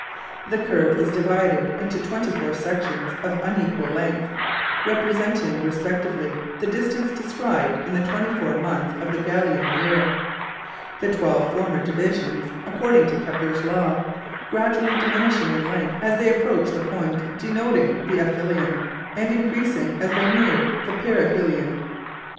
The curve was divided into twenty four sections of unequal length, representing respectively the distance described in the twenty four months of the Gallian year, the twelve former divisions, according to Kepler's law, gradually diminishing in length as they approached the point denoting the aphelion and increasing as they neared the perihelion.